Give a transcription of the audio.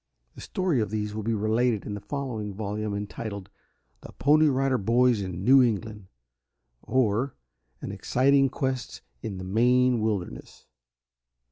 The story of these will be related in a following volume entitled, "THE PONY RIDER BOYS IN NEW ENGLAND; Or, An Exciting Quest in the Maine Wilderness."